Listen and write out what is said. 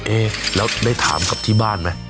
เอ๊ะแล้วได้ถามกลับที่บ้านไหม